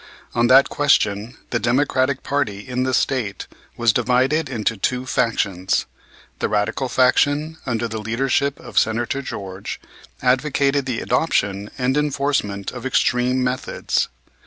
On that question the Democratic party in the State was divided into two factions. The radical faction, under the leadership of Senator George, advocated the adoption and enforcement of extreme methods.